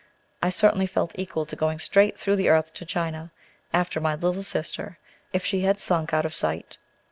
I certainly felt equal to going straight through the earth to China after my little sister, if she had stink out of sight.